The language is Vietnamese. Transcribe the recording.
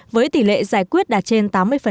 với tỷ lệ giải quyết đạt trên tám mươi